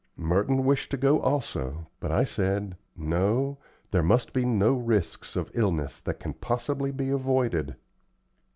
Merton wished to go also, but I said, "No; there must be no risks of illness that can possibly be avoided."